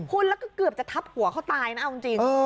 คุณแล้วก็เกือบจะทับหัวเขาตายนะเอาจริง